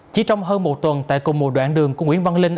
chỉ trong hơn một tuần tại cùng một đoạn đường của nguyễn văn linh